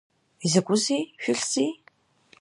Изакәызеи, ишәыхьзеи?